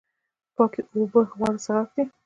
پاکې اوبه غوره څښاک دی